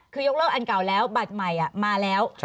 คือยกเลิกอันเก่าแล้วบัตรใหม่มาแล้ว